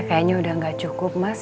kayaknya udah gak cukup mas